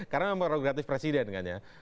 karena memang progresif presiden kan ya